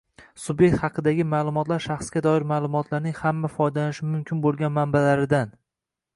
Subyekt haqidagi ma’lumotlar shaxsga doir ma’lumotlarning hamma foydalanishi mumkin bo‘lgan manbalaridan